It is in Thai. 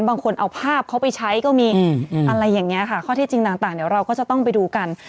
บางคนเอาภาพเขาไปใช้ของมีอะไรอย่างเงี้ยค่ะข้อเท็จจริงต่างเราก็จะต้องไปดูกัน